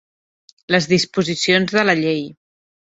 Les disposicions de la llei.